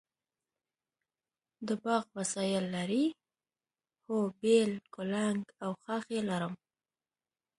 د باغ وسایل لرئ؟ هو، بیل، کلنګ او خاښۍ لرم